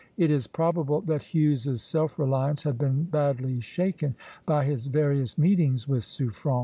It is probable that Hughes's self reliance had been badly shaken by his various meetings with Suffren.